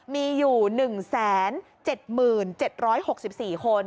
มีอยู่๑๗๗๖๔คน